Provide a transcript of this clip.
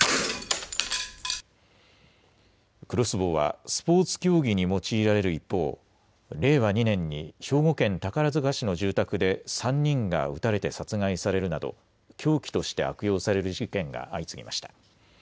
クロスボウはスポーツ競技に用いられる一方、令和２年に兵庫県宝塚市の住宅で３人が撃たれて殺害されるなど凶器として悪用される事件が相次ぎました。